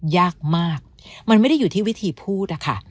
ยากมากมันไม่ได้อยู่ที่วิธีพูดอะค่ะ